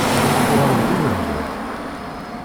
Tuɣalem d imehbal?